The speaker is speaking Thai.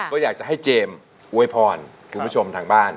ก็อยากจะให้เจมส์อวยพรคุณผู้ชมทางบ้าน